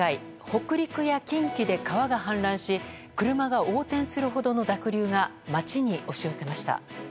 北陸や近畿で川が氾濫し車が横転するほどの濁流が街に押し寄せました。